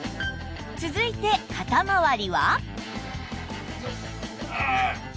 続いて肩まわりは